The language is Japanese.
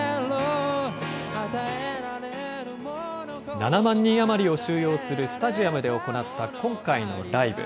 ７万人余りを収容するスタジアムで行った今回のライブ。